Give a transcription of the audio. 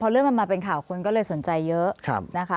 เรื่องมันมาเป็นข่าวคนก็เลยสนใจเยอะนะคะ